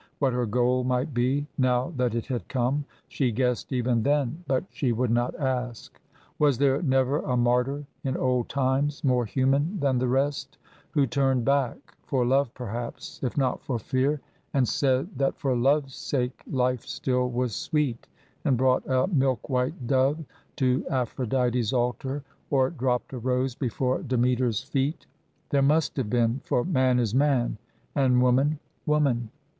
What her goal might be, now that it had come, she guessed even then, but she would not ask. Was there never a martyr in old times, more human than the rest, who turned back, for love perhaps, if not for fear, and said that for love's sake life still was sweet, and brought a milk white dove to Aphrodite's altar, or dropped a rose before Demeter's feet? There must have been, for man is man, and woman, woman.